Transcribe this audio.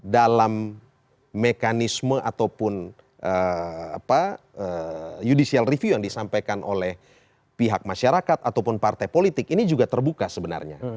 dalam mekanisme ataupun judicial review yang disampaikan oleh pihak masyarakat ataupun partai politik ini juga terbuka sebenarnya